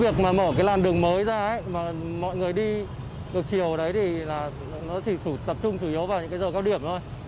việc mà mở cái làn đường mới ra mà mọi người đi ngược chiều đấy thì là nó chỉ tập trung chủ yếu vào những cái giờ cao điểm thôi